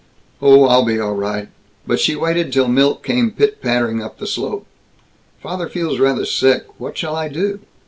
"Oh, I'll be all right." But she waited till Milt came pit pattering up the slope. "Father feels rather sick. What shall I do?